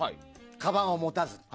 かばんを持たずに。